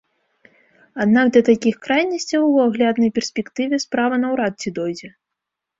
Аднак да такіх крайнасцяў у агляднай перспектыве справа наўрад ці дойдзе.